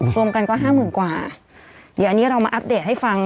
รวมกันก็ห้าหมื่นกว่าเดี๋ยวอันนี้เรามาอัปเดตให้ฟัง